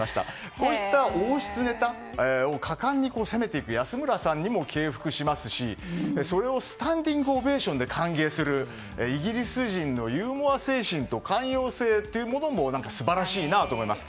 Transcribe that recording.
こういった王室ネタを果敢に攻めていく安村さんにも敬服しますしそれをスタンディングオベーションで歓迎するイギリス人のユーモア精神と寛容性というものも素晴らしいなと思います。